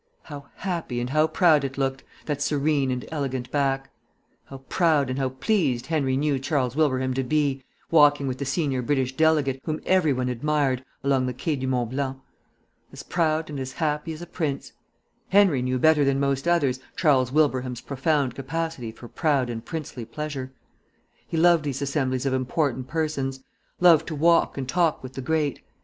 How happy and how proud it looked, that serene and elegant back! How proud and how pleased Henry knew Charles Wilbraham to be, walking with the senior British delegate, whom every one admired, along the Quai du Mont Blanc! As proud and as happy as a prince. Henry knew better than most others Charles Wilbraham's profound capacity for proud and princely pleasure. He loved these assemblies of important persons; loved to walk and talk with the great.